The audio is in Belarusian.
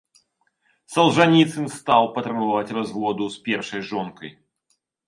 Салжаніцын стаў патрабаваць разводу з першай жонкай.